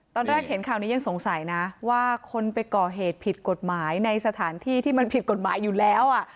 ตอนแรกเห็นข่าวนี้ยังสงสัยนะว่าคนไปก่อเหตุผิดกฎหมายในสถานที่ที่มันผิดกฎหมายอยู่แล้ว